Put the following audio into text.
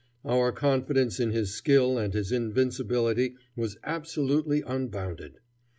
Our confidence in his skill and his invincibility was absolutely unbounded.